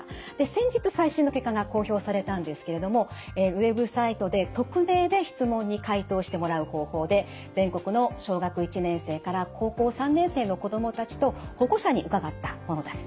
先日最新の結果が公表されたんですけれどもウェブサイトで匿名で質問に回答してもらう方法で全国の小学１年生から高校３年生の子どもたちと保護者に伺ったものです。